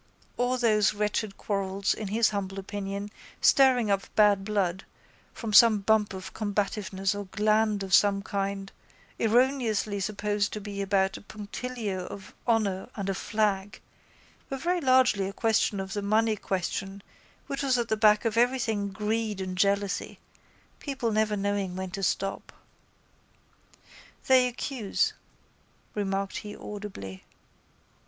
All those wretched quarrels, in his humble opinion, stirring up bad blood, from some bump of combativeness or gland of some kind, erroneously supposed to be about a punctilio of honour and a flag, were very largely a question of the money question which was at the back of everything, greed and jealousy, people never knowing when to stop. —They accuse, remarked he audibly.